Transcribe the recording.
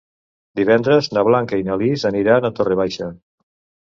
Divendres na Blanca i na Lis aniran a Torre Baixa.